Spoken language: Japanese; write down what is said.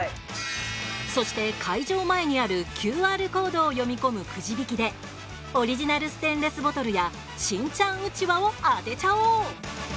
そして会場前にあるＱＲコードを読み込むくじ引きでオリジナルステンレスボトルやしんちゃんうちわを当てちゃおう！